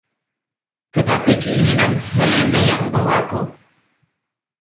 Tetapi keinginan Helene yang berlaku.